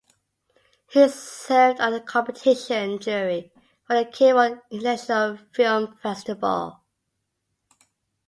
He served on the competition jury for the Cairo International Film Festival.